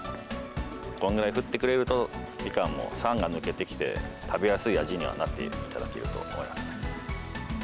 こんぐらい降ってくれると、みかんも酸が抜けてきて、食べやすい味にはなっていただけると思います。